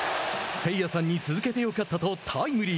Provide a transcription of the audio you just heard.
「誠也さんに続けてよかった」とタイムリー。